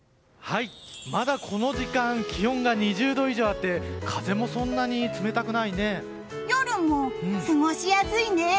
まだこの時間気温が２０度以上あって夜も過ごしやすいね！